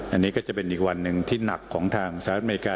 อันนี้ก็จะเป็นอีกวันหนึ่งที่หนักของทางสหรัฐอเมริกา